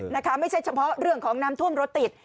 นะคะไม่ใช่เฉพาะเรื่องของน้ำท่วมรถติด